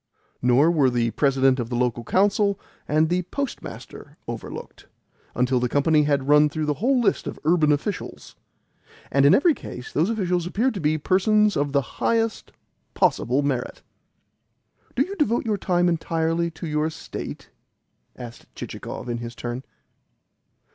Nor were the President of the Local Council and the Postmaster overlooked; until the company had run through the whole list of urban officials. And in every case those officials appeared to be persons of the highest possible merit. "Do you devote your time entirely to your estate?" asked Chichikov, in his turn.